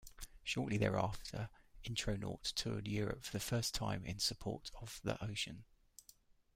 Shortly thereafter Intronaut toured Europe for the first time in support of The Ocean.